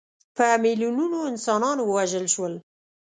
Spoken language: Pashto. په میلیونونو انسانان ووژل شول.